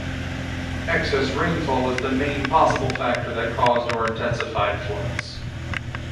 Excess rainfall is the main possible factor that caused or intensified floods.